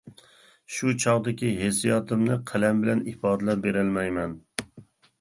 شۇ چاغدىكى ھېسسىياتىمنى قەلەم بىلەن ئىپادىلەپ بېرەلمەيمەن.